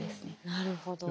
なるほど。